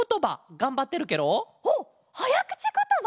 おっはやくちことば？